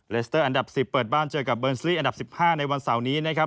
สเตอร์อันดับ๑๐เปิดบ้านเจอกับเบิร์นซี่อันดับ๑๕ในวันเสาร์นี้นะครับ